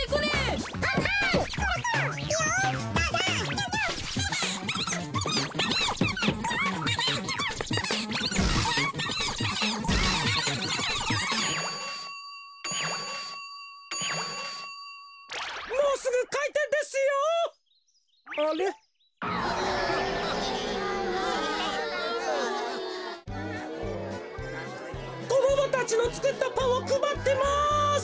こどもたちのつくったパンをくばってます！